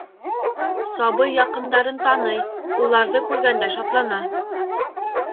Сабый яҡындарын таный, уларҙы күргәндә шатлана.